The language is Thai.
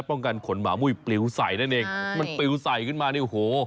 ป้องกันขนหมามุ้ยปิ๋วใสมันปิ๋วใสขึ้นมานี้อ่ะโห